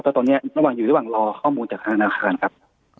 เพราะตอนนี้ต้องอยู่ระหว่างรอข้อมูลจากธนาคารครับ